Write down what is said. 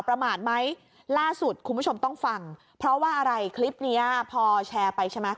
ประมาทไหมล่าสุดคุณผู้ชมต้องฟังเพราะว่าอะไรคลิปเนี้ยพอแชร์ไปใช่ไหม